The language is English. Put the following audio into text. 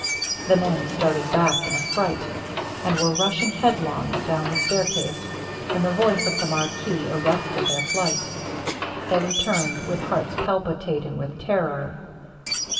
The men started back in affright, and were rushing headlong down the stair case, when the voice of the marquis arrested their flight. They returned, with hearts palpitating with terror.